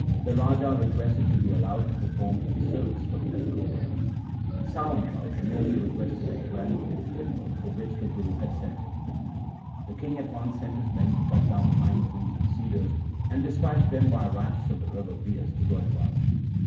The Raja requested to be allowed to perform a service for the miracle worker. Sawan Mai merely requested a grant of the timber for which the Guru had sent him. The king at once sent his men to cut down pine trees and cedars, and dispatch them by rafts on the river Bias to Goindwal. The king's order was promptly obeyed.